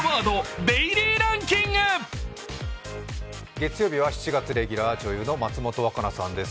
月曜日は７月レギュラー、女優の松本若菜さんです